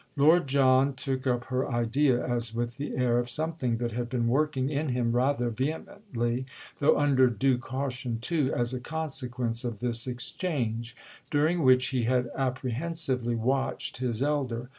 Lord John took up her idea as with the air of something that had been working in him rather vehemently, though under due caution too, as a consequence of this exchange, during which he had apprehensively watched his elder.